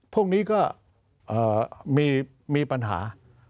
พวกนี้ก็มีปัญหา